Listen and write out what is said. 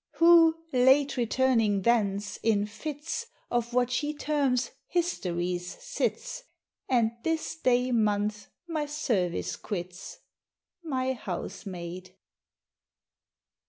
Who late returning thence, in fits Of what she terms "Histories," sits, And this day month my service quits? My Housemaid.